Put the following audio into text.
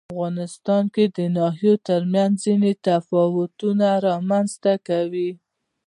رسوب د افغانستان د ناحیو ترمنځ ځینې تفاوتونه رامنځ ته کوي.